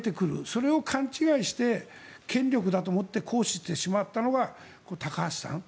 それを勘違いして権力だと思って行使してしまったのが高橋さん。